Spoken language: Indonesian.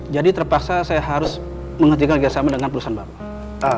jadi terpaksa saya harus menghentikan kerjasama dengan perusahaan papa